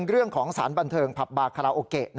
เรื่องของสารบันเทิงผับบาคาราโอเกะ